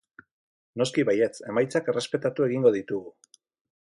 Noski baietz, emaitzak errespetatu egingo ditugu.